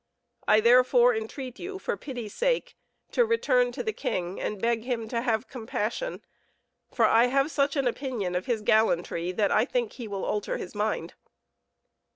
I therefore entreat you, for pity's sake, to return to the king and beg him to have compassion, for I have such an opinion of his gallantry that I think he will alter his mind."